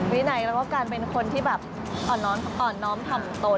วินัยและการเป็นคนอ่อนน้อมทำตน